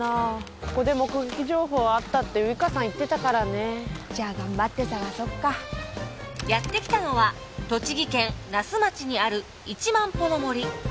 ここで目撃情報あったってウイカさん言ってたからねじゃあ頑張って探そっかやってきたのは栃木県那須町にある一万歩の森